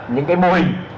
những cái mô hình